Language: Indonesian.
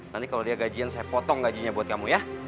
nanti kalau dia gajian saya potong gajinya buat kamu ya